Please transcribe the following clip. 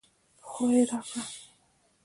خوله يې راګړه